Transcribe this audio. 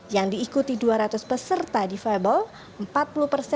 yang diikuti dua ratus peserta di fable